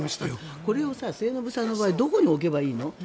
これを末延さんの場合どこに置けばいいの？